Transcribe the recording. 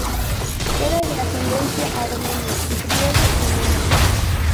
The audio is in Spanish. Era de ascendencia armenia, griega y meda.